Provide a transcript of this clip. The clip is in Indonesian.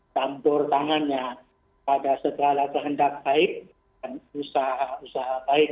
campur tangannya pada segala kehendak baik dan usaha usaha baik